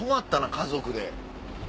家族で？